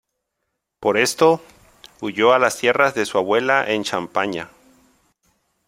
Por esto, huyó a las tierras de su abuela en Champaña.